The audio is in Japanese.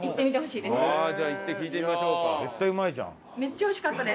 じゃあ行って聞いてみましょうか。